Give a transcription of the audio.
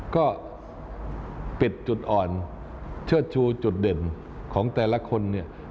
ก็ปิดจุดอ่อนเชื่อชูจุดเด่นของแต่ละคน